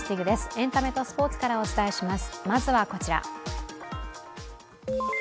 エンタメとスポーツをお伝えします。